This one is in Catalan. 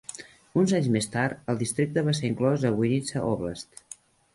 Uns anys més tard, el districte va ser inclòs a Vinnitsa Oblast.